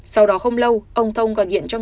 sau đó không lâu ông thông còn hiện cho người